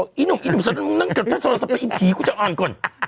ไอ้หนุ่มไอ้ผีกูจะอ่อนก่อน